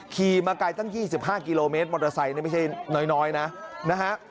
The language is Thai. ขี่มาไกลตั้ง๒๕กิโลเมตรมอเตอร์ไซค์นี่ไม่ใช่น้อยนะนะฮะ